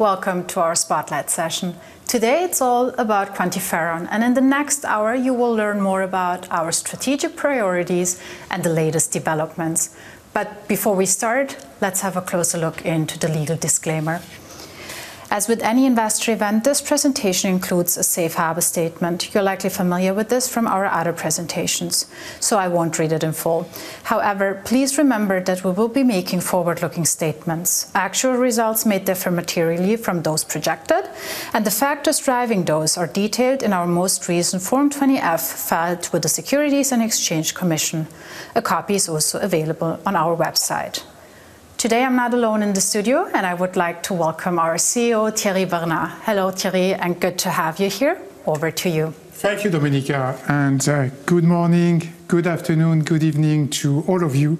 Welcome to our spotlight session. Today, it's all about QuantiFERON, and in the next hour, you will learn more about our strategic priorities and the latest developments. Before we start, let's have a closer look into the legal disclaimer. As with any investor event, this presentation includes a safe harbor statement. You're likely familiar with this from our other presentations, so I won't read it in full. Please remember that we will be making forward-looking statements. Actual results may differ materially from those projected, and the factors driving those are detailed in our most recent Form 20-F filed with the Securities and Exchange Commission. A copy is also available on our website. Today, I'm not alone in the studio, and I would like to welcome our CEO, Thierry Bernard. Hello, Thierry, good to have you here. Over to you. Thank you, Domenica, and good morning, good afternoon, good evening to all of you.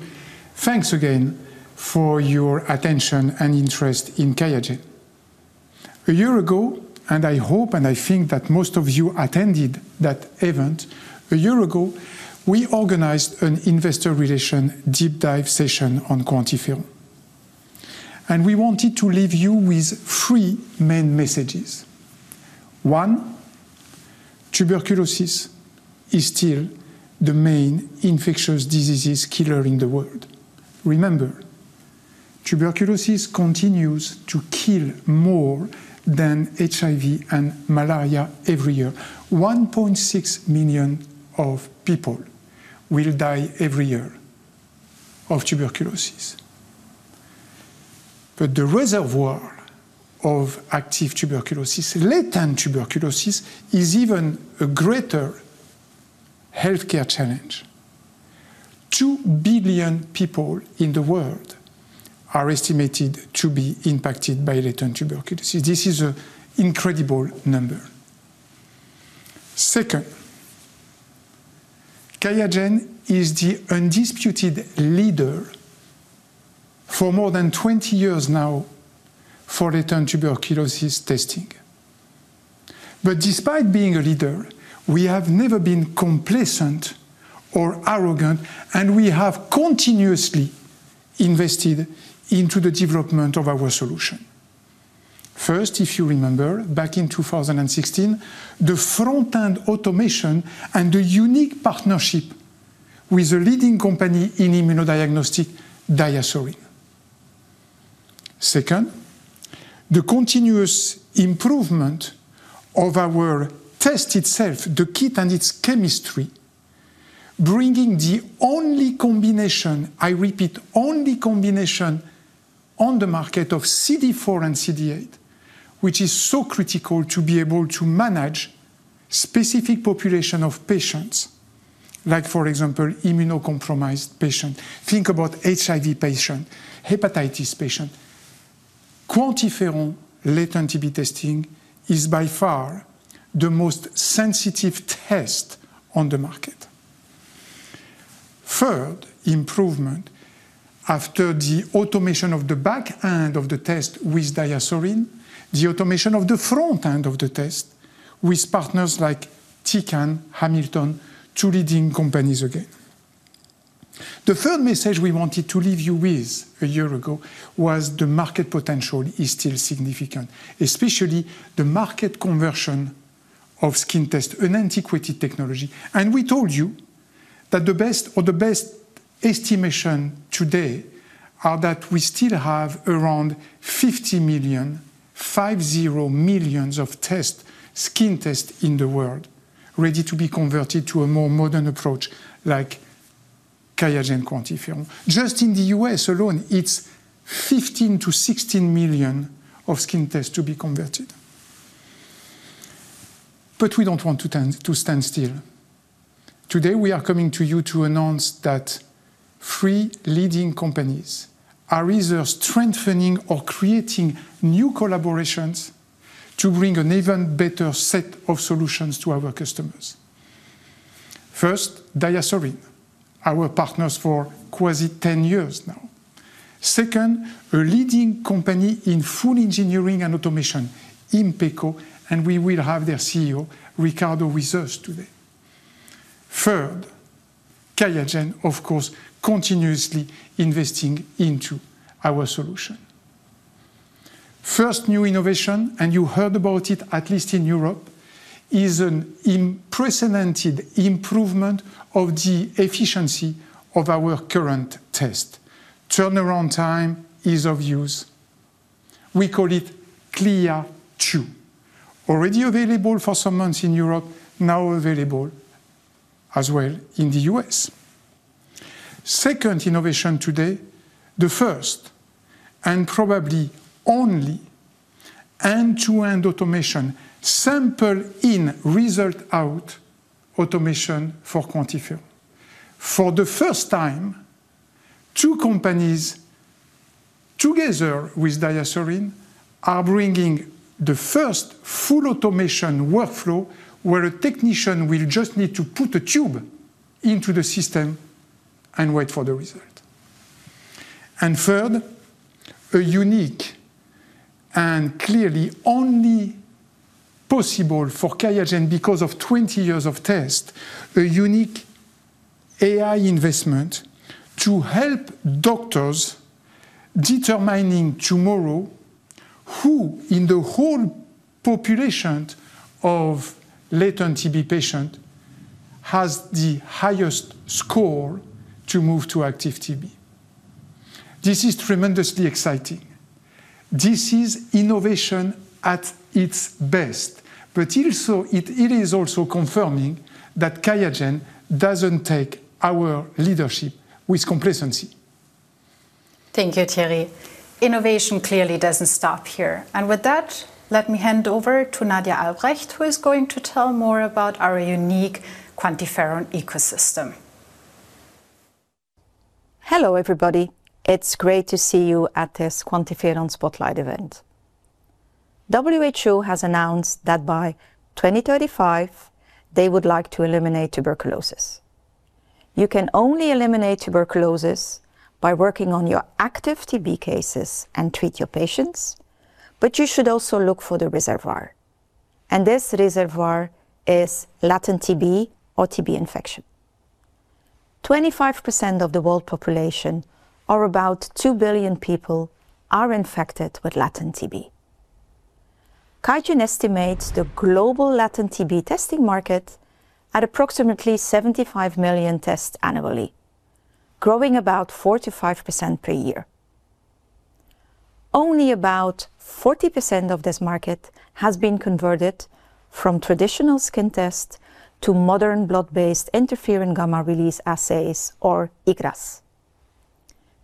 Thanks again for your attention and interest in QIAGEN. A year ago, and I hope and I think that most of you attended that event. A year ago, we organized an investor relation deep dive session on QuantiFERON, and we wanted to leave you with three main messages. One, tuberculosis is still the main infectious diseases killer in the world. Remember, tuberculosis continues to kill more than HIV and malaria every year. 1.6 million of people will die every year of tuberculosis. The reservoir of active tuberculosis, latent tuberculosis, is even a greater healthcare challenge. Two billion people in the world are estimated to be impacted by latent tuberculosis. This is an incredible number. Second, QIAGEN is the undisputed leader for more than 20 years now for latent tuberculosis testing. Despite being a leader, we have never been complacent or arrogant, and we have continuously invested into the development of our solution. First, if you remember back in 2016, the front-end automation and the unique partnership with a leading company in immunodiagnostic, DiaSorin. Second, the continuous improvement of our test itself, the kit and its chemistry, bringing the only combination, I repeat, only combination on the market of CD4 and CD8, which is so critical to be able to manage specific population of patients. Like for example, immunocompromised patient. Think about HIV patient, hepatitis patient. QuantiFERON latent TB testing is by far the most sensitive test on the market. Third improvement, after the automation of the back end of the test with DiaSorin, the automation of the front end of the test with partners like Tecan, Hamilton, two leading companies again. The third message we wanted to leave you with a year ago was the market potential is still significant, especially the market conversion of skin test, an antiquated technology. We told you that the best, or the best estimation today are that we still have around 50 million, 50 million of tests, skin tests in the world, ready to be converted to a more modern approach like QIAGEN QuantiFERON. Just in the U.S. alone, it's 15 million-16 million of skin tests to be converted. We don't want to stand still. Today, we are coming to you to announce that three leading companies are either strengthening or creating new collaborations to bring an even better set of solutions to our customers. First, DiaSorin, our partners for quasi 10 years now. Second, a leading company in full engineering and automation, Inpeco, and we will have their CEO, Riccardo, with us today. Third, QIAGEN, of course, continuously investing into our solution. First new innovation, and you heard about it at least in Europe, is an unprecedented improvement of the efficiency of our current test. Turnaround time, ease of use, we call it CLIA II. Already available for some months in Europe, now available as well in the U.S. Second innovation today, the first and probably only end-to-end automation, sample in, result out automation for QuantiFERON. For the first time, two companies together with DiaSorin are bringing the first full automation workflow, where a technician will just need to put a tube into the system and wait for the result. Third, a unique and clearly only possible for QIAGEN because of 20 years of test, a unique AI investment to help doctors determining tomorrow who in the whole population of latent TB patient has the highest score to move to active TB. This is tremendously exciting. This is innovation at its best, but also it is also confirming that QIAGEN doesn't take our leadership with complacency. Thank you, Thierry. Innovation clearly doesn't stop here. With that, let me hand over to Nadia Aelbrecht, who is going to tell more about our unique QuantiFERON ecosystem. Hello, everybody. It's great to see you at this QuantiFERON Spotlight event. WHO has announced that by 2035 they would like to eliminate tuberculosis. You can only eliminate tuberculosis by working on your active TB cases and treat your patients, but you should also look for the reservoir, and this reservoir is latent TB or TB infection. 25% of the world population, or about two billion people, are infected with latent TB. QIAGEN estimates the global latent TB testing market at approximately 75 million tests annually, growing about 45% per year. Only about 40% of this market has been converted from traditional skin test to modern blood-based interferon gamma release assays, or IGRAs.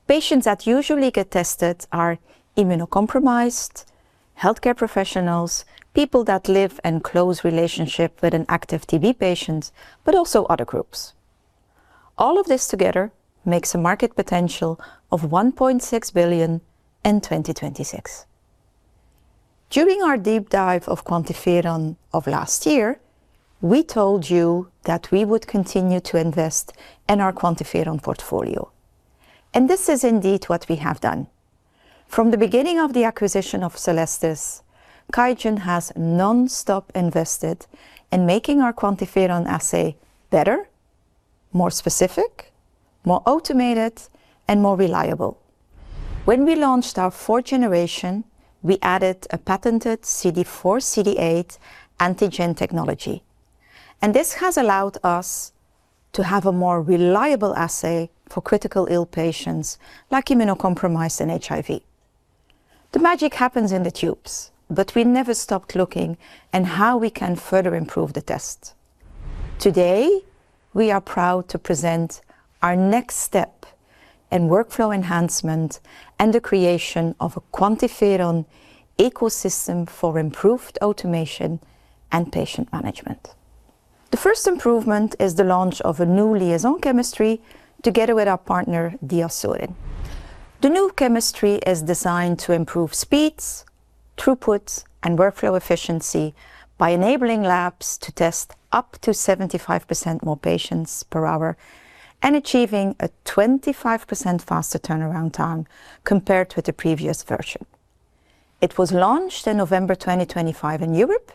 Patients that usually get tested are immunocompromised, healthcare professionals, people that live in close relationship with an active TB patients, but also other groups. All of this together makes a market potential of $1.6 billion in 2026. During our deep dive of QuantiFERON of last year, we told you that we would continue to invest in our QuantiFERON portfolio. This is indeed what we have done. From the beginning of the acquisition of Cellestis, QIAGEN has nonstop invested in making our QuantiFERON assay better, more specific, more automated, and more reliable. When we launched our fourth generation, we added a patented CD4/CD8 antigen technology. This has allowed us to have a more reliable assay for critical ill patients, like immunocompromised and HIV. The magic happens in the tubes. We never stopped looking in how we can further improve the test. Today, we are proud to present our next step in workflow enhancement and the creation of a QuantiFERON ecosystem for improved automation and patient management. The first improvement is the launch of a new LIAISON chemistry together with our partner, DiaSorin. The new chemistry is designed to improve speeds, throughputs, and workflow efficiency by enabling labs to test up to 75% more patients per hour and achieving a 25% faster turnaround time compared to the previous version. It was launched in November 2025 in Europe,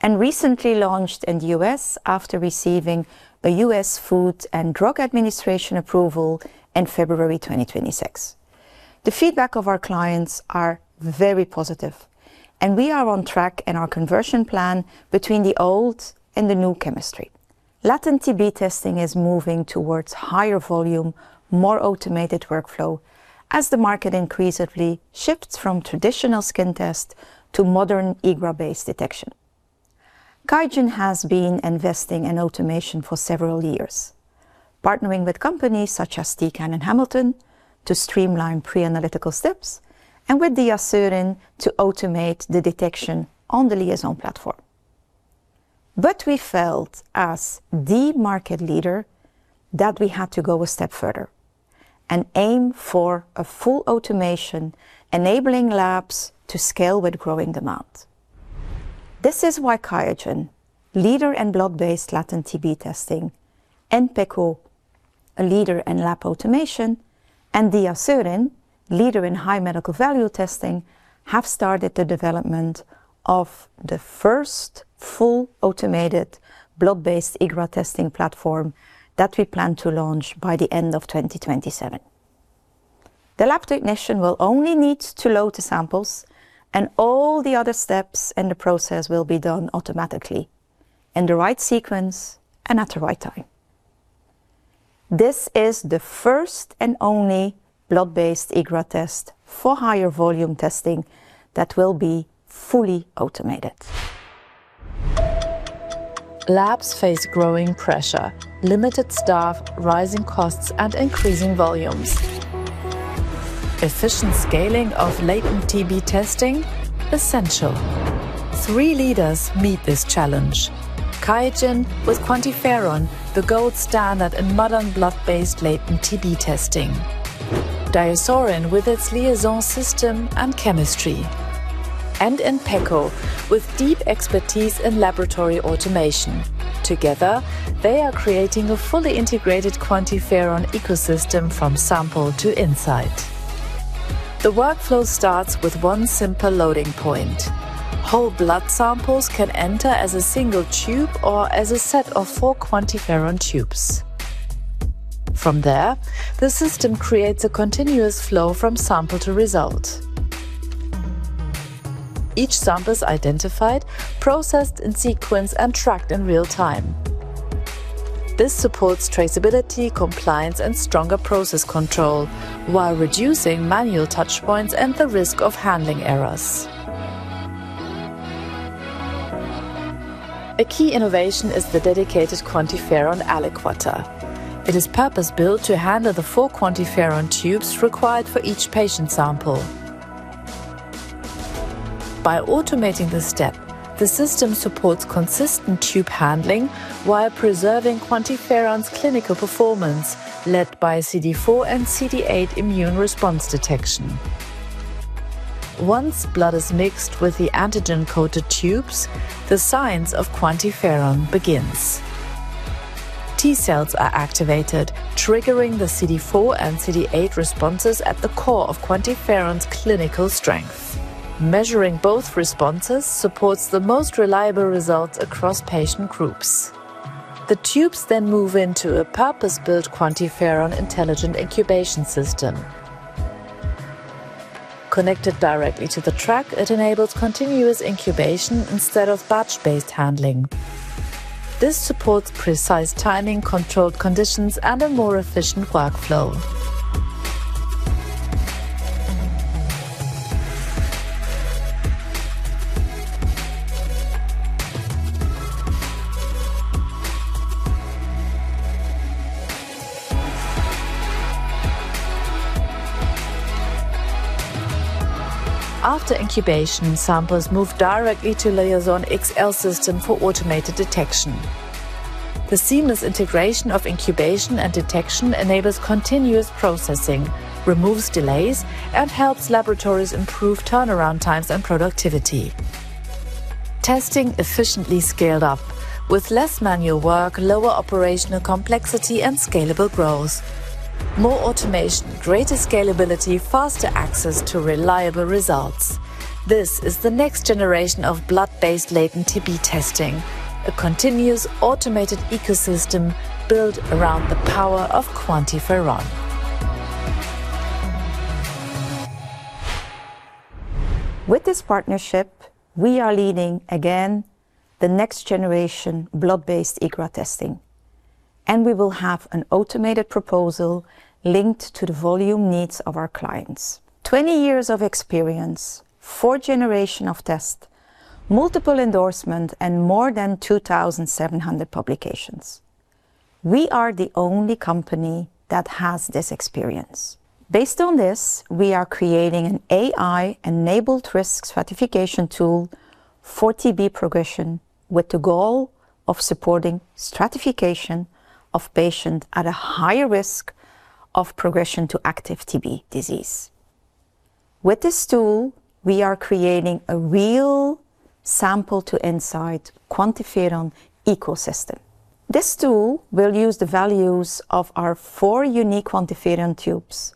and recently launched in the U.S. after receiving a U.S. Food and Drug Administration approval in February 2026. The feedback of our clients are very positive, and we are on track in our conversion plan between the old and the new chemistry. Latent TB testing is moving towards higher volume, more automated workflow as the market increasingly shifts from traditional skin test to modern IGRA-based detection. QIAGEN has been investing in automation for several years, partnering with companies such as Tecan and Hamilton to streamline pre-analytical steps, and with DiaSorin to automate the detection on the LIAISON platform. We felt as the market leader that we had to go a step further and aim for a full automation, enabling labs to scale with growing demand. This is why QIAGEN, leader in blood-based latent TB testing, Inpeco, a leader in lab automation, and DiaSorin, leader in high medical value testing, have started the development of the first full automated blood-based IGRA testing platform that we plan to launch by the end of 2027. The lab technician will only need to load the samples, and all the other steps in the process will be done automatically in the right sequence and at the right time. This is the first and only blood-based IGRA test for higher volume testing that will be fully automated. Labs face growing pressure, limited staff, rising costs, and increasing volumes. Efficient scaling of latent TB testing, essential. Three leaders meet this challenge. QIAGEN with QuantiFERON, the gold standard in modern blood-based latent TB testing, DiaSorin with its LIAISON system and chemistry, and Inpeco with deep expertise in laboratory automation. Together, they are creating a fully integrated QuantiFERON ecosystem from sample to insight. The workflow starts with one simple loading point. Whole blood samples can enter as a single tube or as a set of four QuantiFERON tubes. From there, the system creates a continuous flow from sample to result. Each sample is identified, processed in sequence, and tracked in real time. This supports traceability, compliance, and stronger process control while reducing manual touchpoints and the risk of handling errors. A key innovation is the dedicated QuantiFERON aliquoter. It is purpose-built to handle the four QuantiFERON tubes required for each patient sample. By automating this step, the system supports consistent tube handling while preserving QuantiFERON's clinical performance, led by CD4 and CD8 immune response detection. Once blood is mixed with the antigen-coated tubes, the science of QuantiFERON begins. T-cells are activated, triggering the CD4 and CD8 responses at the core of QuantiFERON's clinical strength. Measuring both responses supports the most reliable results across patient groups. The tubes then move into a purpose-built QuantiFERON intelligent incubation system. Connected directly to the track, it enables continuous incubation instead of batch-based handling. This supports precise timing, controlled conditions, and a more efficient workflow. After incubation, samples move directly to LIAISON XL system for automated detection. The seamless integration of incubation and detection enables continuous processing, removes delays, and helps laboratories improve turnaround times and productivity. Testing efficiently scaled up with less manual work, lower operational complexity, and scalable growth. More automation, greater scalability, faster access to reliable results. This is the next generation of blood-based latent TB testing, a continuous automated ecosystem built around the power of QuantiFERON. With this partnership, we are leading again the next-generation blood-based IGRA testing, and we will have an automated proposal linked to the volume needs of our clients. 20 years of experience, four generation of test, multiple endorsement, and more than 2,700 publications. We are the only company that has this experience. Based on this, we are creating an AI-enabled risk stratification tool for TB progression with the goal of supporting stratification of patient at a higher risk of progression to active TB disease. With this tool, we are creating a real sample to insight QuantiFERON ecosystem. This tool will use the values of our four unique QuantiFERON tubes,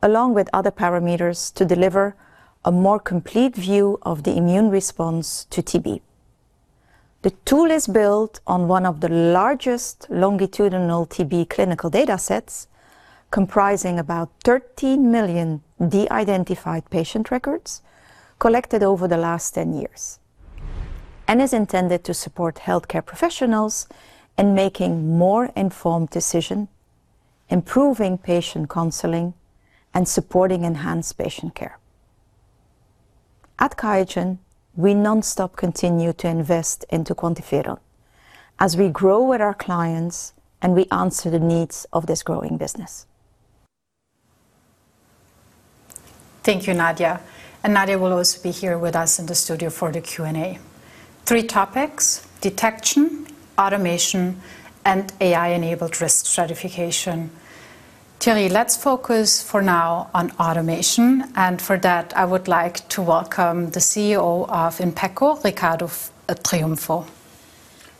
along with other parameters, to deliver a more complete view of the immune response to TB. The tool is built on one of the largest longitudinal TB clinical data sets, comprising about 13 million de-identified patient records collected over the last 10 years, and is intended to support healthcare professionals in making more informed decision, improving patient counseling, and supporting enhanced patient care. At QIAGEN, we nonstop continue to invest into QuantiFERON as we grow with our clients, and we answer the needs of this growing business. Thank you, Nadia. Nadia will also be here with us in the studio for the Q&A. Three topics, detection, automation, and AI-enabled risk stratification. Thierry, let's focus for now on automation. For that, I would like to welcome the CEO of Inpeco, Riccardo Triunfo.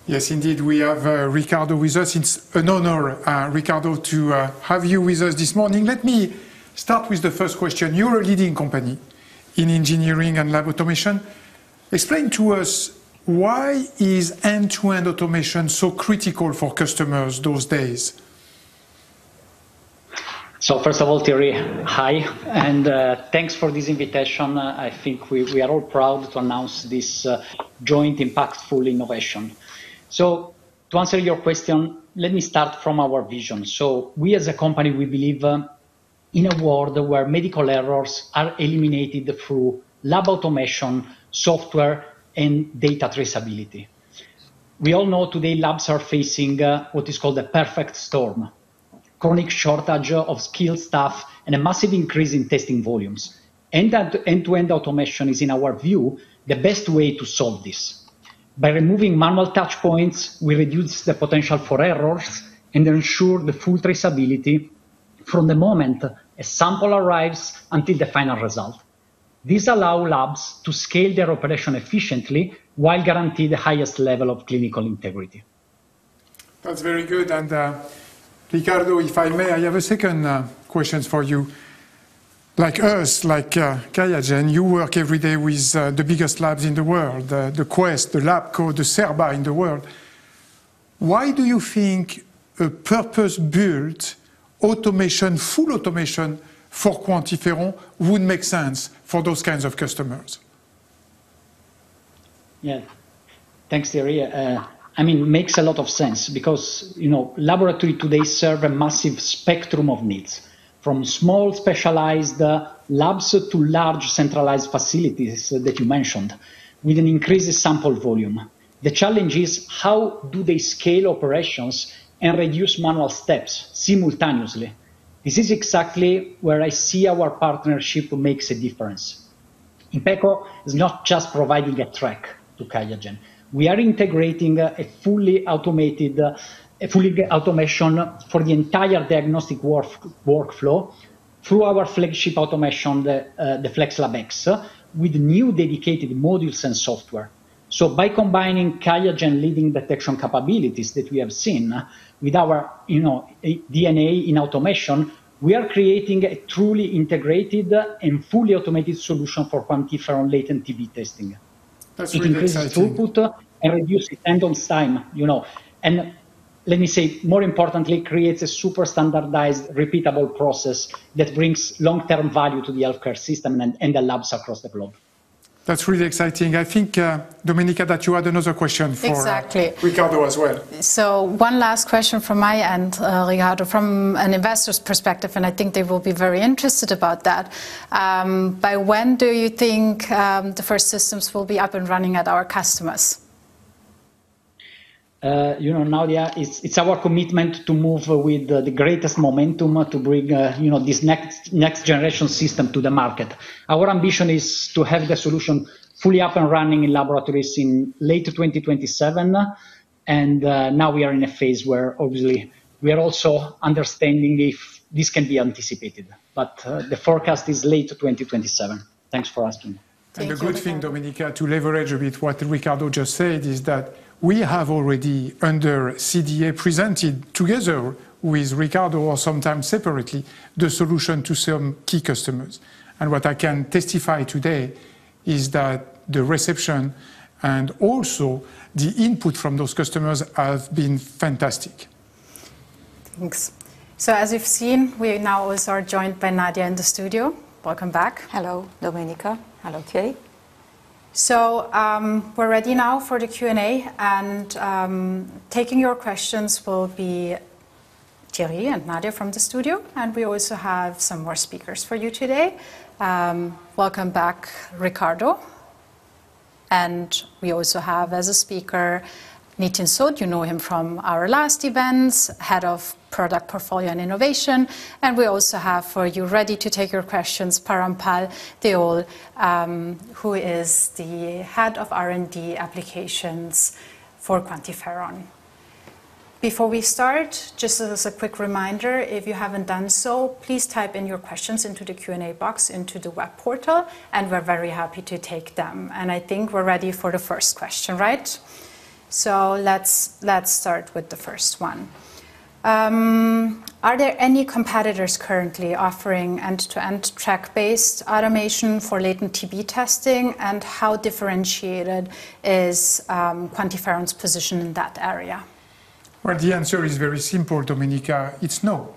Yes, indeed. We have Riccardo with us. It's an honor, Riccardo, to have you with us this morning. Let me start with the first question. You're a leading company in engineering and lab automation. Explain to us why is end-to-end automation so critical for customers those days. First of all, Thierry, hi, and thanks for this invitation. I think we are all proud to announce this joint impactful innovation. To answer your question, let me start from our vision. We as a company, we believe in a world where medical errors are eliminated through lab automation, software, and data traceability. We all know today labs are facing what is called a perfect storm: chronic shortage of skilled staff and a massive increase in testing volumes. End-to-end automation is, in our view, the best way to solve this. By removing manual touchpoints, we reduce the potential for errors and ensure the full traceability from the moment a sample arrives until the final result. This allow labs to scale their operation efficiently while guarantee the highest level of clinical integrity. That's very good. Riccardo, if I may, I have a second question for you. Like us, like QIAGEN, you work every day with the biggest labs in the world, the Quest, the Labcorp, the Cerba in the world. Why do you think a purpose-built automation, full automation for QuantiFERON would make sense for those kinds of customers? Yeah. Thanks, Thierry. I mean, makes a lot of sense because, you know, laboratory today serve a massive spectrum of needs, from small specialized labs to large centralized facilities that you mentioned with an increased sample volume. The challenge is how do they scale operations and reduce manual steps simultaneously. This is exactly where I see our partnership makes a difference. Inpeco is not just providing a track to QIAGEN. We are integrating a fully automated, a fully automation for the entire diagnostic work-workflow through our flagship automation, the FlexLab X, with new dedicated modules and software. By combining QIAGEN leading detection capabilities that we have seen with our, you know, DNA in automation, we are creating a truly integrated and fully automated solution for QuantiFERON latent TB testing. That's really exciting. It increases throughput and reduces end on time, you know. Let me say, more importantly, creates a super standardized, repeatable process that brings long-term value to the healthcare system and the labs across the globe. That's really exciting. I think, Domenica, that you had another question for- Exactly. .....Riccardo as well. One last question from my end, Riccardo. From an investor's perspective, and I think they will be very interested about that, by when do you think, the first systems will be up and running at our customers? You know, Nadia, it's our commitment to move with the greatest momentum to bring, you know, this next generation system to the market. Our ambition is to have the solution fully up and running in laboratories in late 2027. Now we are in a phase where obviously we are also understanding if this can be anticipated. The forecast is late 2027. Thanks for asking. Thanks, Riccardo. A good thing, Domenica, to leverage a bit what Riccardo just said is that we have already, under CDA, presented together with Riccardo or sometimes separately, the solution to some key customers. What I can testify today is that the reception and also the input from those customers has been fantastic. Thanks. As you've seen, we now also are joined by Nadia in the studio. Welcome back. Hello, Domenica. Hello, Thierry. We're ready now for the Q&A, and taking your questions will be Thierry and Nadia from the studio, and we also have some more speakers for you today. Welcome back, Riccardo, and we also have as a speaker Nitin Sood. You know him from our last events, Head of Product Portfolio and Innovation. We also have for you, ready to take your questions, Parampal Deol, who is the Head of R&D Applications for QuantiFERON. Before we start, just as a quick reminder, if you haven't done so, please type in your questions into the Q&A box into the web portal, and we're very happy to take them. I think we're ready for the first question, right? Let's start with the first one. Are there any competitors currently offering end-to-end track-based automation for latent TB testing? How differentiated is QuantiFERON's position in that area? Well, the answer is very simple, Domenica. It's no.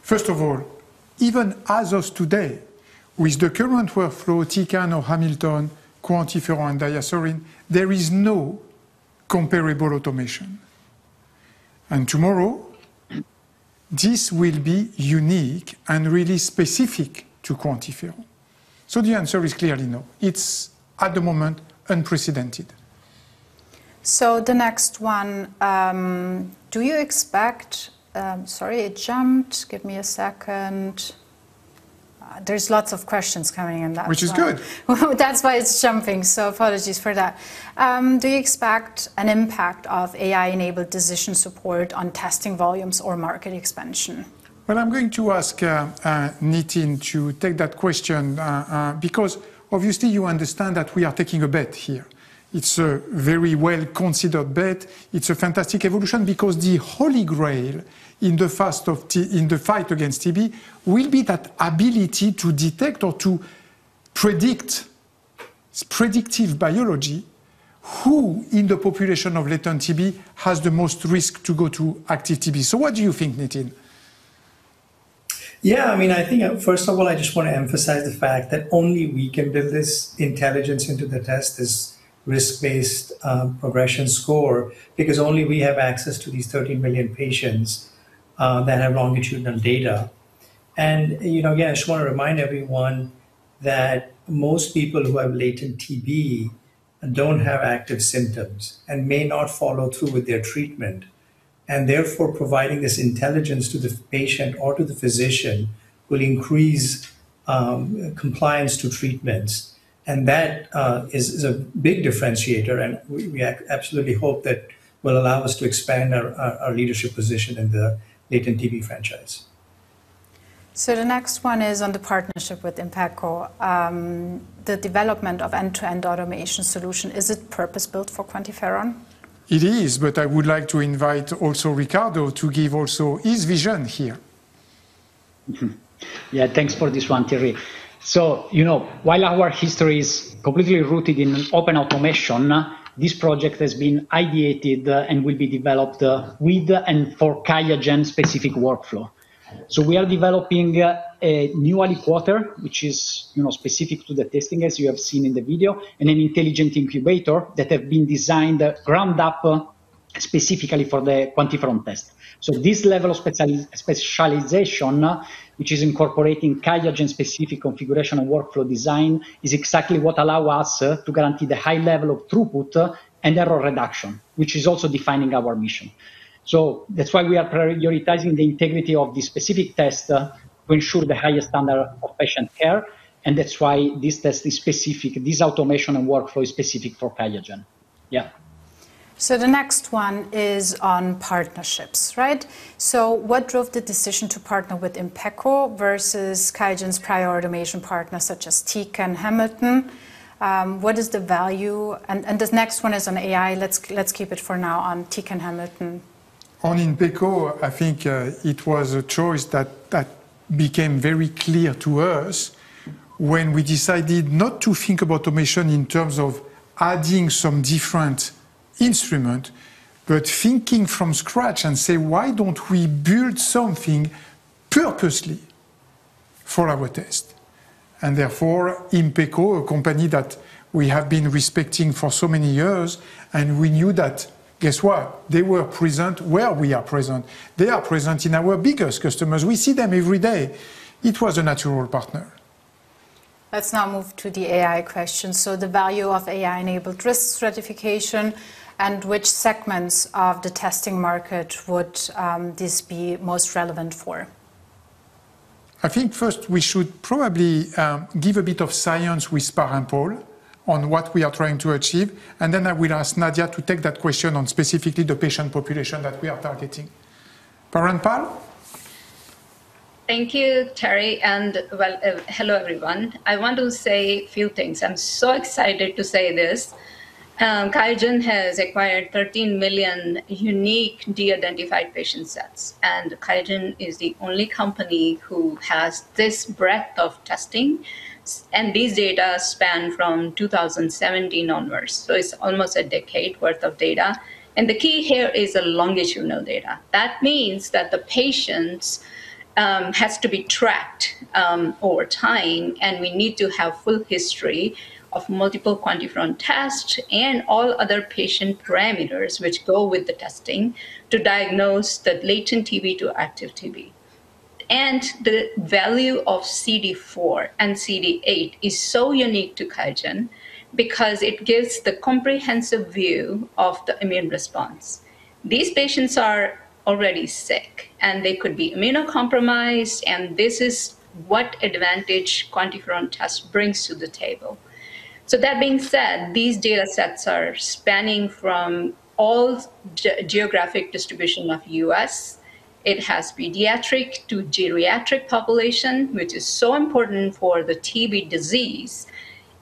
First of all, even as of today, with the current workflow, Tecan or Hamilton, QuantiFERON, DiaSorin, there is no comparable automation. Tomorrow, this will be unique and really specific to QuantiFERON. The answer is clearly no. It's at the moment unprecedented. The next one, do you expect? Sorry, it jumped. Give me a second. There's lots of questions coming in. Which is good. That's why it's jumping, so apologies for that. Do you expect an impact of AI-enabled decision support on testing volumes or market expansion? I'm going to ask Nitin to take that question because obviously you understand that we are taking a bet here. It's a very well-considered bet. It's a fantastic evolution because the Holy Grail in the first in the fight against TB will be that ability to detect or to predict, predictive biology, who in the population of latent TB has the most risk to go to active TB. What do you think, Nitin? I mean, I think, first of all, I just want to emphasize the fact that only we can build this intelligence into the test, this risk-based progression score, because only we have access to these 13 million patients that have longitudinal data. You know, again, I just want to remind everyone that most people who have latent TB don't have active symptoms and may not follow through with their treatment, therefore providing this intelligence to the patient or to the physician will increase compliance to treatments. That is a big differentiator, and we absolutely hope that will allow us to expand our leadership position in the latent TB franchise. The next one is on the partnership with Inpeco. The development of end-to-end automation solution, is it purpose-built for QuantiFERON? It is. I would like to invite also Riccardo to give also his vision here. Yeah, thanks for this one, Thierry. You know, while our history is completely rooted in open automation, this project has been ideated and will be developed with and for QIAGEN's specific workflow. We are developing a new aliquoter, which is, you know, specific to the testing as you have seen in the video, and an intelligent incubator that have been designed ground up specifically for the QuantiFERON test. This level of specialization, which is incorporating QIAGEN-specific configuration and workflow design, is exactly what allow us to guarantee the high level of throughput and error reduction, which is also defining our mission. That's why we are prioritizing the integrity of the specific test to ensure the highest standard of patient care, and that's why this test is specific, this automation and workflow is specific for QIAGEN. Yeah. The next one is on partnerships, right? What drove the decision to partner with Inpeco versus QIAGEN's prior automation partners such as Tecan, Hamilton? What is the value? The next one is on AI. Let's keep it for now on Tecan, Hamilton. On Inpeco, I think, it was a choice that became very clear to us when we decided not to think about automation in terms of adding some different instrument, but thinking from scratch and say, "Why don't we build something purposely for our test?" Therefore, Inpeco, a company that we have been respecting for so many years, and we knew that, guess what? They were present where we are present. They are present in our biggest customers. We see them every day. It was a natural partner. Let's now move to the AI question. The value of AI-enabled risk stratification, and which segments of the testing market would this be most relevant for? I think first we should probably give a bit of science with Parampal on what we are trying to achieve, and then I will ask Nadia to take that question on specifically the patient population that we are targeting. Parampal? Thank you, Thierry. Hello, everyone. I want to say a few things. I'm so excited to say this. QIAGEN has acquired 13 million unique de-identified patient sets. QIAGEN is the only company who has this breadth of testing. These data span from 2017 onwards, it's almost a decade worth of data. The key here is a longitudinal data. That means that the patient has to be tracked over time, we need to have full history of multiple QuantiFERON tests and all other patient parameters which go with the testing to diagnose the latent TB to active TB. The value of CD4 and CD8 is so unique to QIAGEN because it gives the comprehensive view of the immune response. These patients are already sick, and they could be immunocompromised, and this is what advantage QuantiFERON test brings to the table. That being said, these data sets are spanning from all geographic distribution of U.S. It has pediatric to geriatric population, which is so important for the TB disease,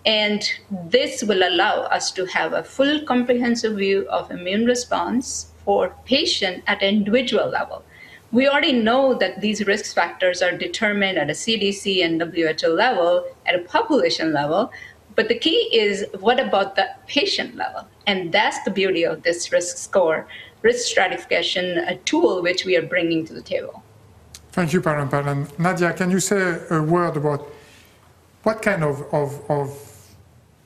and this will allow us to have a full comprehensive view of immune response for patient at individual level. We already know that these risk factors are determined at a CDC and WHO level, at a population level, but the key is what about the patient level? That's the beauty of this risk score, risk stratification tool which we are bringing to the table. Thank you, Parampal. Nadia, can you say a word about what kind of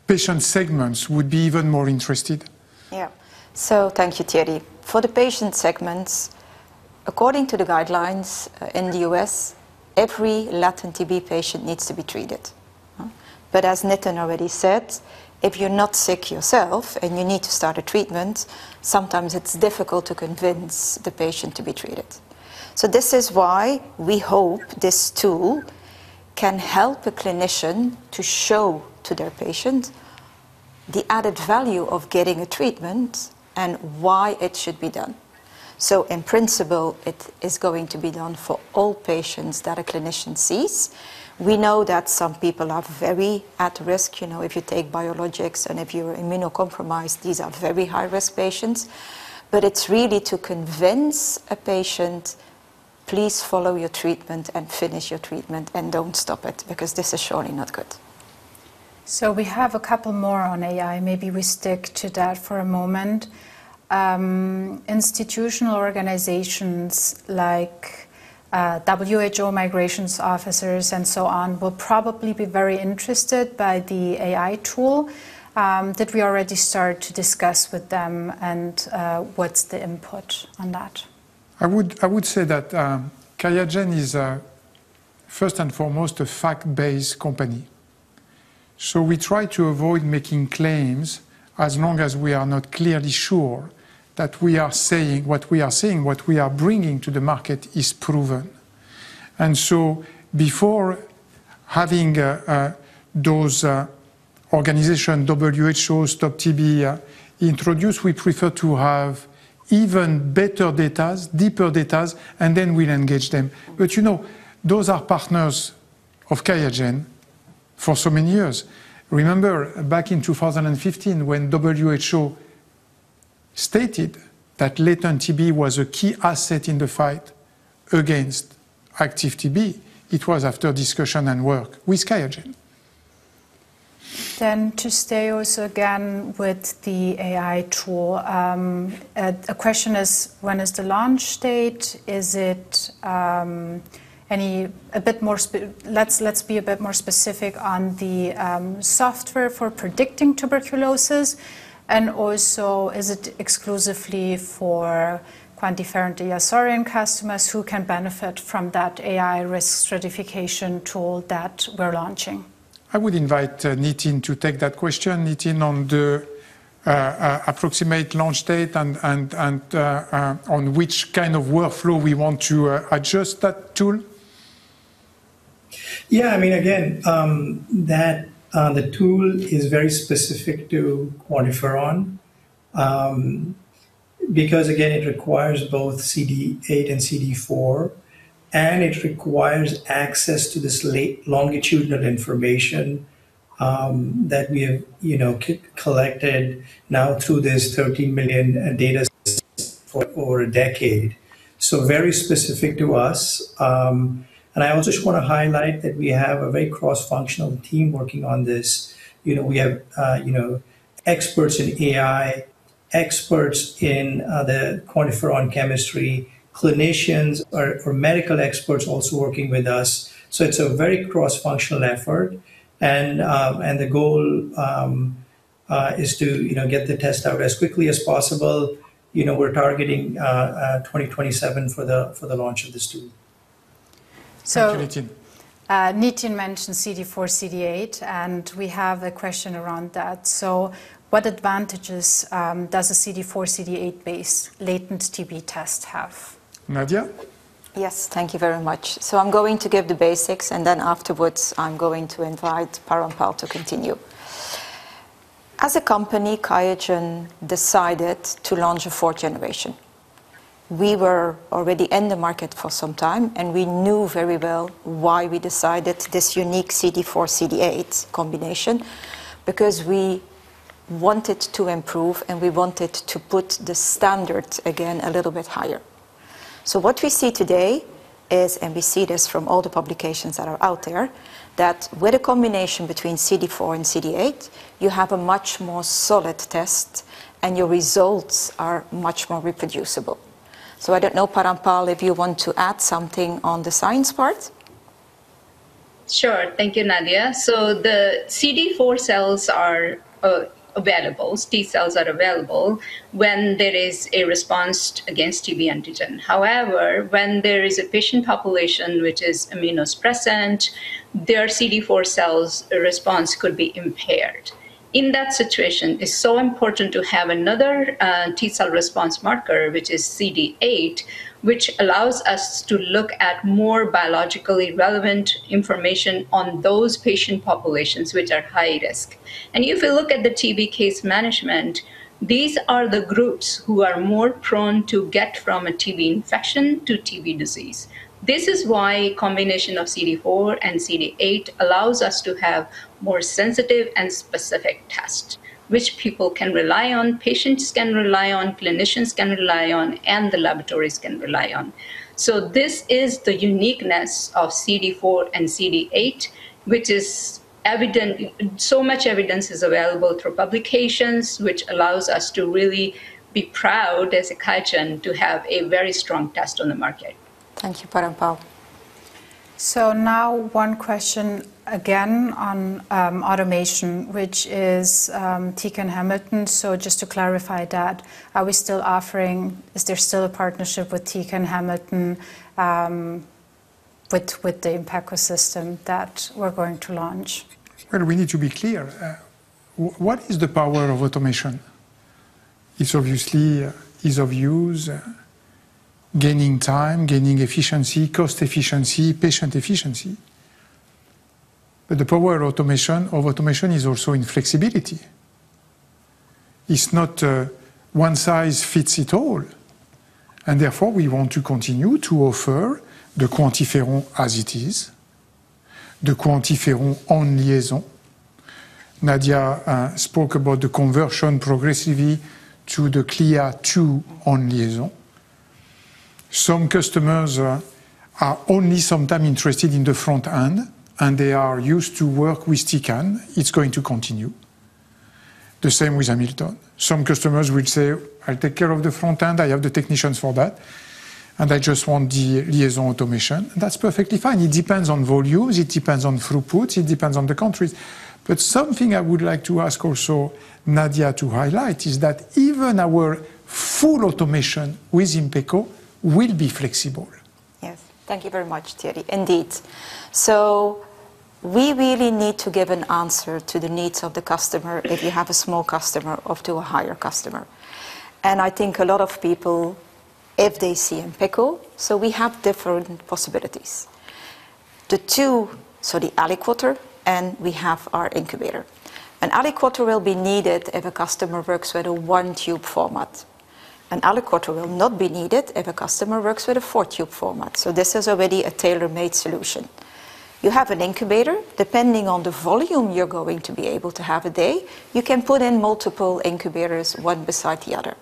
patient segments would be even more interested? Thank you, Thierry. For the patient segments, according to the guidelines, in the U.S., every latent TB patient needs to be treated. As Nitin already said, if you're not sick yourself and you need to start a treatment, sometimes it's difficult to convince the patient to be treated. This is why we hope this tool can help a clinician to show to their patient the added value of getting a treatment and why it should be done. In principle, it is going to be done for all patients that a clinician sees. We know that some people are very at risk, you know, if you take biologics and if you're immunocompromised, these are very high-risk patients. It's really to convince a patient, please follow your treatment and finish your treatment and don't stop it, because this is surely not good. We have a couple more on AI. Maybe we stick to that for a moment. Institutional organizations like WHO migrations officers and so on will probably be very interested by the AI tool, did we already start to discuss with them and what's the input on that? I would say that QIAGEN is first and foremost a fact-based company. We try to avoid making claims as long as we are not clearly sure that what we are saying, what we are bringing to the market is proven. Before having those organization, WHO, Stop TB, introduce, we prefer to have even better data, deeper data, and then we'll engage them. You know, those are partners of QIAGEN for so many years. Remember back in 2015 when WHO stated that latent TB was a key asset in the fight against active TB, it was after discussion and work with QIAGEN. To stay also again with the AI tool, a question is: When is the launch date? Let's be a bit more specific on the software for predicting tuberculosis and also is it exclusively for QuantiFERON DiaSorin customers who can benefit from that AI risk stratification tool that we're launching. I would invite, Nitin to take that question. Nitin, on the, approximate launch date and, on which kind of workflow we want to, adjust that tool. I mean, again, that the tool is very specific to QuantiFERON, because again, it requires both CD8 and CD4, and it requires access to this longitudinal information that we have, you know, collected now through this 13 million data systems for over a decade. Very specific to us. I also just wanna highlight that we have a very cross-functional team working on this. You know, we have, you know, experts in AI, experts in the QuantiFERON chemistry, clinicians or medical experts also working with us. It's a very cross-functional effort. The goal is to, you know, get the test out as quickly as possible. You know, we're targeting 2027 for the launch of this tool. So- Thank you, Nitin. Nitin mentioned CD4, CD8, and we have a question around that. What advantages does a CD4, CD8 based latent TB test have? Nadia? Yes. Thank you very much. I'm going to give the basics, and then afterwards, I'm going to invite Parampal to continue. As a company, QIAGEN decided to launch a fourth generation. We were already in the market for some time, and we knew very well why we decided this unique CD4, CD8 combination, because we wanted to improve, and we wanted to put the standards again a little bit higher. What we see today is, and we see this from all the publications that are out there, that with a combination between CD4 and CD8, you have a much more solid test and your results are much more reproducible. I don't know, Parampal, if you want to add something on the science part. Sure. Thank you, Nadia. The CD4 cells are available, T cells are available when there is a response against TB antigen. However, when there is a patient population which is immunosuppressant, their CD4 cells response could be impaired. In that situation, it's so important to have another T cell response marker, which is CD8, which allows us to look at more biologically relevant information on those patient populations which are high risk. If you look at the TB case management, these are the groups who are more prone to get from a TB infection to TB disease. This is why combination of CD4 and CD8 allows us to have more sensitive and specific test, which people can rely on, patients can rely on, clinicians can rely on, and the laboratories can rely on. This is the uniqueness of CD4 and CD8, which is evident. So much evidence is available through publications, which allows us to really be proud as a QIAGEN to have a very strong test on the market. Thank you, Parampal. Now one question again on automation, which is Tecan, Hamilton. Just to clarify that, is there still a partnership with Tecan, Hamilton with the Inpeco system that we're going to launch? We need to be clear. What is the power of automation? It's obviously ease of use, gaining time, gaining efficiency, cost efficiency, patient efficiency. The power of automation is also in flexibility. It's not one size fits it all, and therefore, we want to continue to offer the QuantiFERON as it is, the QuantiFERON on LIAISON. Nadia spoke about the conversion progressively to the CLIA II on LIAISON. Some customers are only sometime interested in the front end, and they are used to work with Tecan. It's going to continue. The same with Hamilton. Some customers will say, "I'll take care of the front end." I have the technicians for that, and I just want the LIAISON automation. That's perfectly fine. It depends on volumes, it depends on throughputs, it depends on the countries. Something I would like to ask also Nadia to highlight is that even our full automation with Inpeco will be flexible. Yes. Thank you very much, Thierry. Indeed. We really need to give an answer to the needs of the customer if you have a small customer or to a higher customer. I think a lot of people, if they see Inpeco, we have different possibilities. The two, the aliquoter and we have our incubator. An aliquoter will be needed if a customer works with a 1 tube format. An aliquoter will not be needed if a customer works with a four tube format. This is already a tailor-made solution. You have an incubator. Depending on the volume you're going to be able to have a day, you can put in multiple incubators, one beside the other.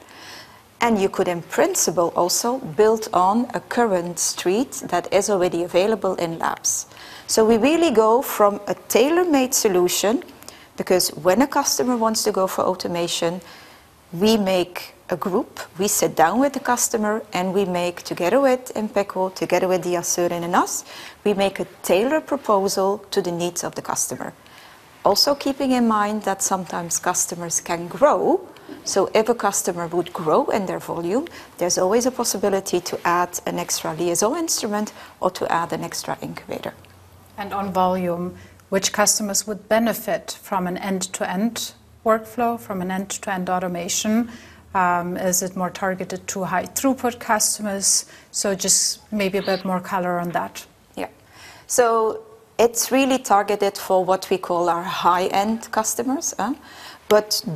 You could, in principle, also build on a current street that is already available in labs. We really go from a tailor-made solution, because when a customer wants to go for automation, we make a group, we sit down with the customer, and we make together with Inpeco, together with the DiaSorin and us, we make a tailored proposal to the needs of the customer. Keeping in mind that sometimes customers can grow, so if a customer would grow in their volume, there's always a possibility to add an extra LIASON instrument or to add an extra incubator. On volume, which customers would benefit from an end-to-end workflow, from an end-to-end automation? Is it more targeted to high throughput customers? Just maybe a bit more color on that. Yeah. It's really targeted for what we call our high-end customers.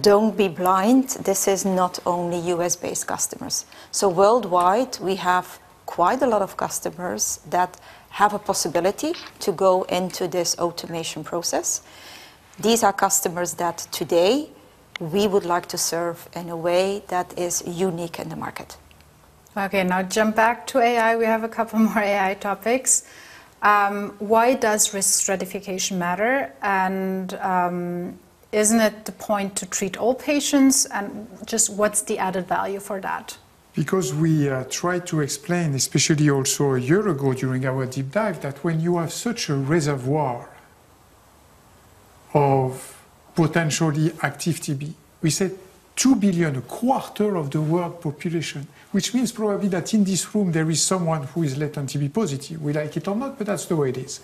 Don't be blind, this is not only U.S.-based customers. Worldwide, we have quite a lot of customers that have a possibility to go into this automation process. These are customers that today we would like to serve in a way that is unique in the market. Okay. Now jump back to AI. We have a couple more AI topics. Why does risk stratification matter? Isn't it the point to treat all patients? Just what's the added value for that? Because we tried to explain, especially also a year ago during our deep dive, that when you have such a reservoir of potentially active TB, we said two billion, a quarter of the world population, which means probably that in this room there is someone who is latent TB positive, we like it or not, but that's the way it is.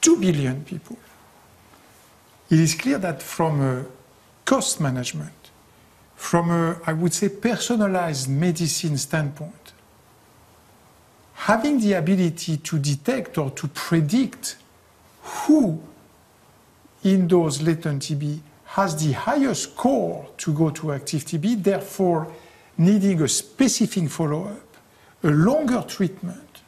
Two billion people. It is clear that from a cost management, from a, I would say, personalized medicine standpoint, having the ability to detect or to predict who is latent TB has the highest score to go to active TB, therefore needing a specific follow-up, a longer treatment,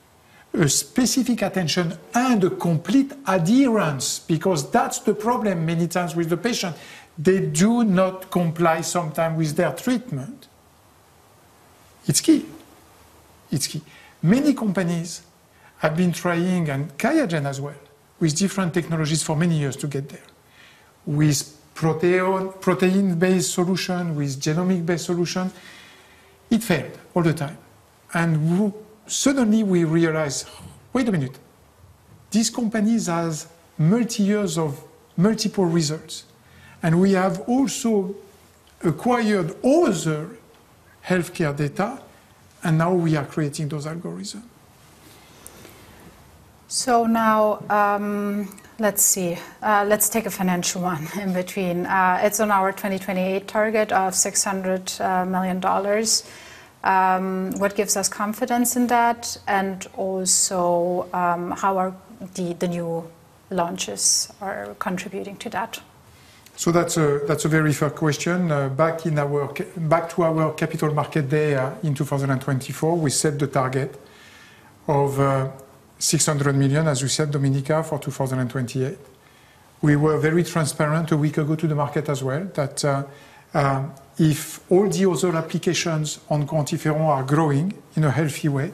a specific attention, and a complete adherence, because that's the problem many times with the patient. They do not comply sometimes with their treatment. It's key. It's key. Many companies have been trying, and QIAGEN as well, with different technologies for many years to get there. With protein-based solution, with genomic-based solution, it failed all the time. Suddenly we realize, wait a minute, these companies has multi-years of multiple results. We have also acquired other healthcare data, and now we are creating those algorithm. Now, let's see. Let's take a financial one in between. It's on our 2028 target of $600 million. What gives us confidence in that? Also, how are the new launches contributing to that? That's a, that's a very fair question. Back to our capital market day, in 2024, we set the target of $600 million, as you said, Domenica, for 2028. We were very transparent a week ago to the market as well, that if all the other applications on QuantiFERON are growing in a healthy way,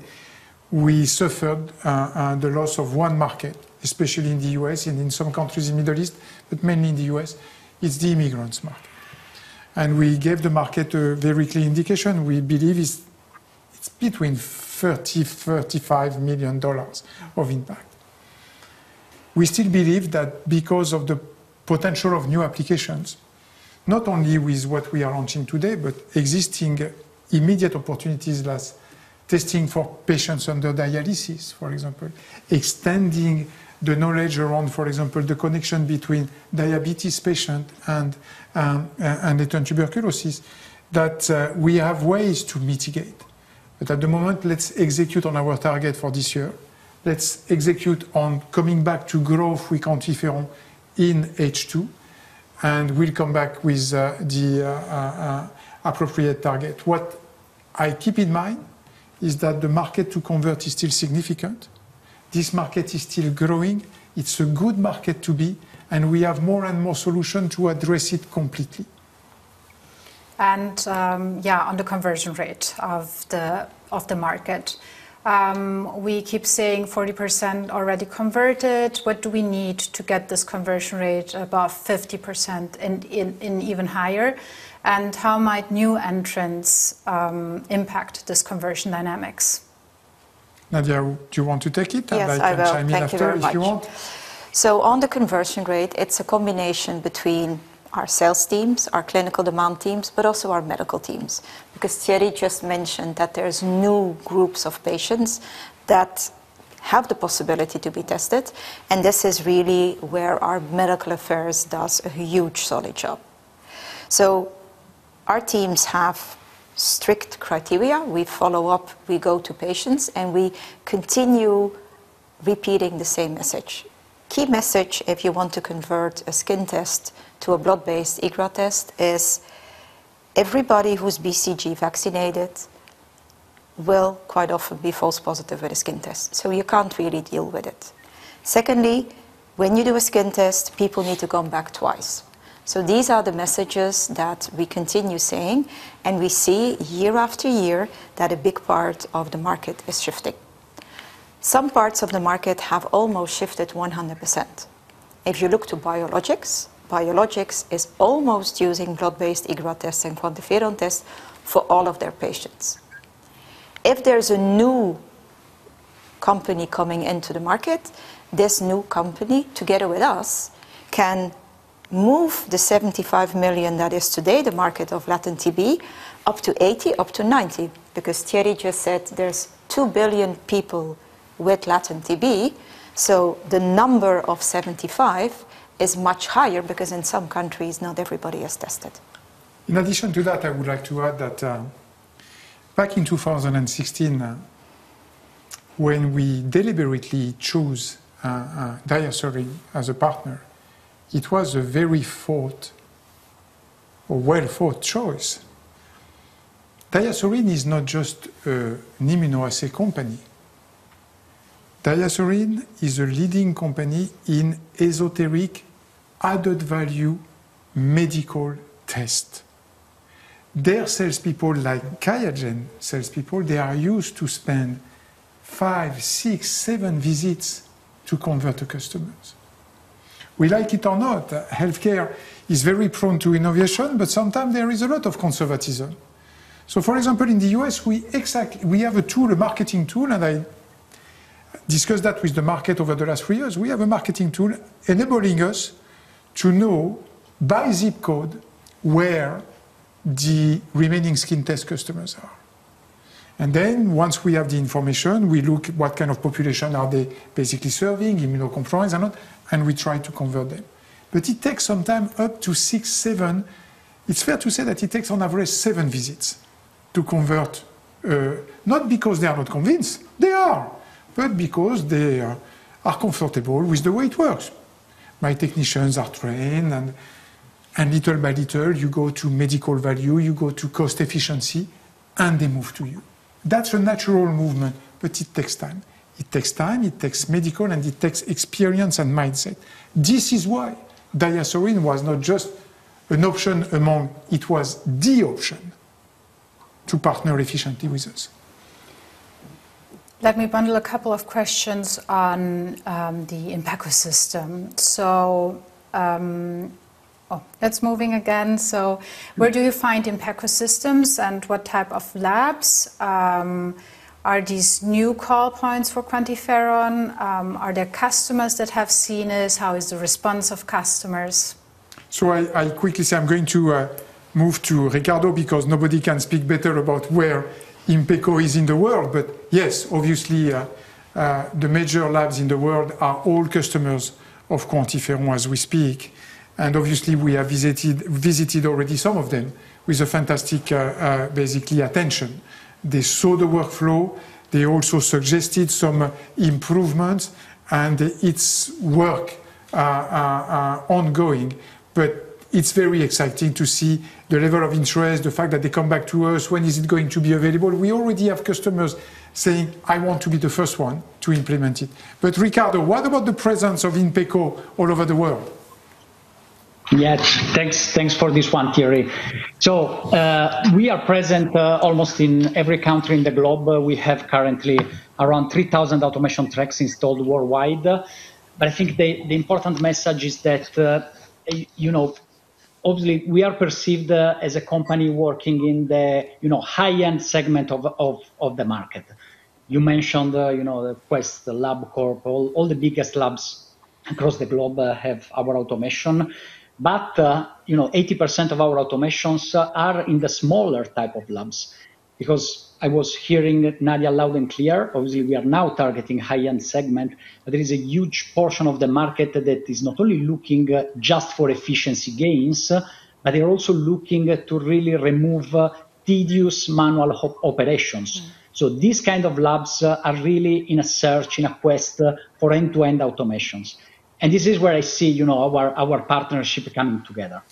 we suffered the loss of one market, especially in the U.S. and in some countries in Middle East, but mainly in the U.S., it's the immigrants market. We gave the market a very clear indication. We believe it's between $30 million-$35 million of impact. We still believe that because of the potential of new applications, not only with what we are launching today, but existing immediate opportunities like testing for patients under dialysis, for example, extending the knowledge around, for example, the connection between diabetes patient and tuberculosis, that we have ways to mitigate. At the moment, let's execute on our target for this year. Let's execute on coming back to growth with QuantiFERON in H2, we'll come back with the appropriate target. What I keep in mind is that the market to convert is still significant. This market is still growing. It's a good market to be, we have more and more solution to address it completely. Yeah, on the conversion rate of the market, we keep saying 40% already converted. What do we need to get this conversion rate above 50% and even higher? How might new entrants impact this conversion dynamics? Nadia, do you want to take it? Yes, I will. I can chime in after if you want. Thank you very much. On the conversion rate, it's a combination between our sales teams, our clinical demand teams, but also our medical teams. Thierry just mentioned that there's new groups of patients that have the possibility to be tested, and this is really where our Medical Affairs does a huge solid job. Our teams have strict criteria. We follow up, we go to patients, and we continue repeating the same message. Key message if you want to convert a skin test to a blood-based IGRA test is everybody who's BCG vaccinated will quite often be false positive at a skin test, so you can't really deal with it. Secondly, when you do a skin test, people need to come back twice. These are the messages that we continue saying, and we see year after year that a big part of the market is shifting. Some parts of the market have almost shifted 100%. If you look to biologics is almost using blood-based IGRA test and QuantiFERON test for all of their patients. If there's a new company coming into the market, this new company, together with us, can move the $75 million that is today the market of latent TB up to $80 million, up to $90 million, because Thierry just said there's two billion people with latent TB, so the number of $75 million is much higher because in some countries not everybody is tested. In addition to that, I would like to add that, back in 2016, when we deliberately choose DiaSorin as a partner, it was a very well-thought choice. DiaSorin is not just a immunoassay company. DiaSorin is a leading company in esoteric added value medical test. Their salespeople, like QIAGEN salespeople, they are used to spend five, six, seven visits to convert the customers. We like it or not, healthcare is very prone to innovation, but sometimes there is a lot of conservatism. For example, in the U.S., we have a tool, a marketing tool, and I discussed that with the market over the last three years. We have a marketing tool enabling us to know by zip code where the remaining skin test customers are. Once we have the information, we look what kind of population are they basically serving, immunocompromised or not, and we try to convert them. It takes some time, up to six, seven. It's fair to say that it takes on average seven visits to convert, not because they are not convinced, they are, but because they are comfortable with the way it works. My technicians are trained, and little by little, you go to medical value, you go to cost efficiency, and they move to you. That's a natural movement, but it takes time. It takes time, it takes medical, and it takes experience and mindset. This is why DiaSorin was not just an option among, it was the option to partner efficiently with us. Let me bundle a couple of questions on the Inpeco system. It's moving again. Where do you find Inpeco systems and what type of labs? Are these new call points for QuantiFERON? Are there customers that have seen this? How is the response of customers? I'll quickly say I'm going to move to Riccardo because nobody can speak better about where Inpeco is in the world. Obviously, the major labs in the world are all customers of QuantiFERON as we speak. Obviously, we have visited already some of them with a fantastic, basically attention. They saw the workflow. They also suggested some improvements, and its work are ongoing. It's very exciting to see the level of interest, the fact that they come back to us. When is it going to be available? We already have customers saying, "I want to be the first one to implement it." Riccardo, what about the presence of Inpeco all over the world? Thanks. Thanks for this one, Thierry. We are present almost in every country in the globe. We have currently around 3,000 automation tracks installed worldwide. I think the important message is that, you know, obviously, we are perceived as a company working in the, you know, high-end segment of the market. You mentioned, you know, Quest, Labcorp, all the biggest labs across the globe have our automation. You know, 80% of our automations are in the smaller type of labs. Because I was hearing Nadia loud and clear, obviously, we are now targeting high-end segment, but there is a huge portion of the market that is not only looking just for efficiency gains, but they're also looking to really remove tedious manual operations. These kind of labs are really in a search, in a quest for end-to-end automations. This is where I see, you know, our partnership coming together.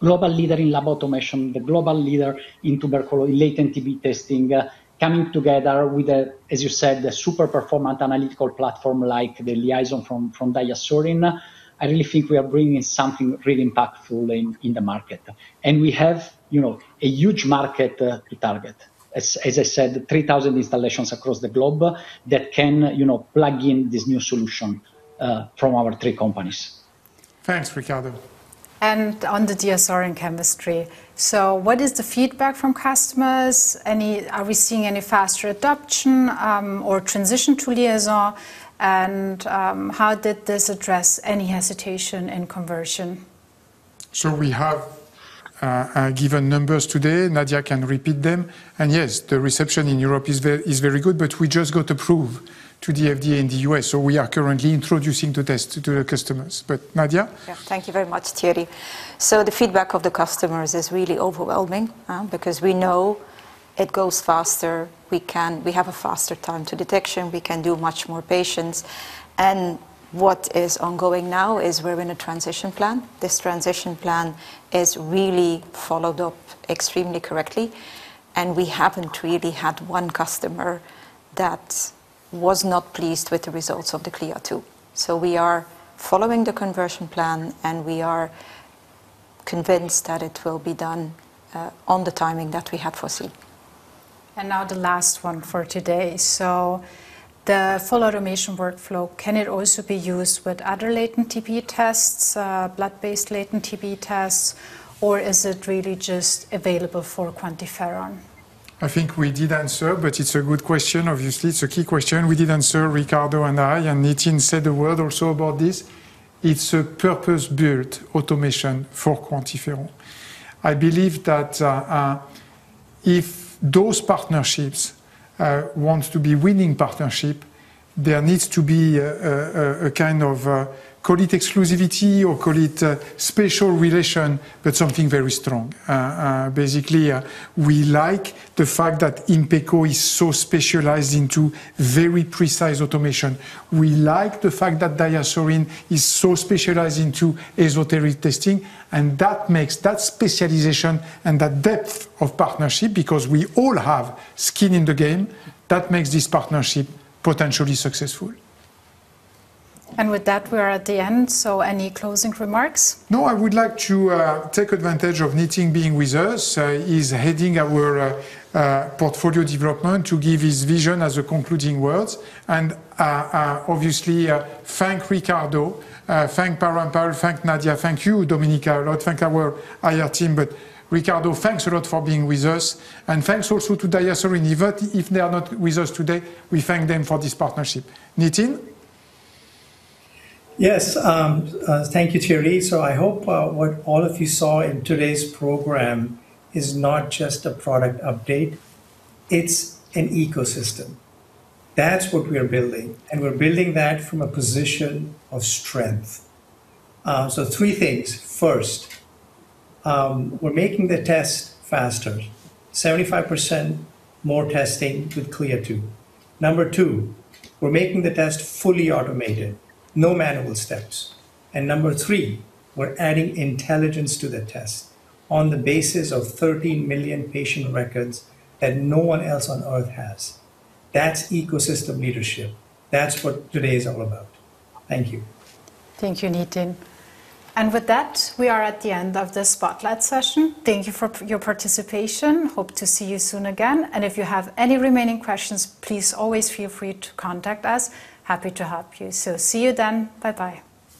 Global leader in lab automation, the global leader in latent TB testing, coming together with, as you said, a super performant analytical platform like the LIAISON from DiaSorin. I really think we are bringing something really impactful in the market. We have, you know, a huge market to target. As I said, 3,000 installations across the globe that can, you know, plug in this new solution from our three companies. Thanks, Riccardo. On the DSR and chemistry. What is the feedback from customers? Are we seeing any faster adoption or transition to LIAISON? How did this address any hesitation in conversion? We have given numbers today. Nadia can repeat them. Yes, the reception in Europe is very good, we just got approved to the FDA in the U.S., we are currently introducing to test to the customers. Nadia? Yeah. Thank you very much, Thierry. The feedback of the customers is really overwhelming because we know it goes faster. We have a faster time to detection. We can do much more patients. What is ongoing now is we're in a transition plan. This transition plan is really followed up extremely correctly, and we haven't really had one customer that was not pleased with the results of the CLIA II. We are following the conversion plan, and we are convinced that it will be done on the timing that we had foreseen. Now the last one for today. The full automation workflow, can it also be used with other latent TB tests, blood-based latent TB tests, or is it really just available for QuantiFERON? I think we did answer, but it's a good question. Obviously, it's a key question. We did answer, Riccardo and I, and Nitin said a word or so about this. It's a purpose-built automation for QuantiFERON. I believe that if those partnerships want to be winning partnership, there needs to be a kind of, call it exclusivity or call it a special relation, but something very strong. Basically, we like the fact that Inpeco is so specialized into very precise automation. We like the fact that DiaSorin is so specialized into esoteric testing, that makes that specialization and that depth of partnership, because we all have skin in the game, that makes this partnership potentially successful. With that, we are at the end. Any closing remarks? No. I would like to take advantage of Nitin being with us, he's heading our Portfolio Development, to give his vision as concluding words and obviously, thank Riccardo, thank Parampal, thank Nadia, thank you, Domenica, a lot. Thank our IR team. Riccardo, thanks a lot for being with us. Thanks also to DiaSorin. Even if they are not with us today, we thank them for this partnership. Nitin? Yes. Thank you, Thierry. I hope what all of you saw in today's program is not just a product update. It's an ecosystem. That's what we are building, and we're building that from a position of strength. Three things. First, we're making the test faster. 75% more testing with CLIA II. Number two, we're making the test fully automated. No manual steps. Number three, we're adding intelligence to the test on the basis of 13 million patient records that no one else on Earth has. That's ecosystem leadership. That's what today is all about. Thank you. Thank you, Nitin. With that, we are at the end of the spotlight session. Thank you for your participation. Hope to see you soon again. If you have any remaining questions, please always feel free to contact us. Happy to help you. See you then. Bye-bye.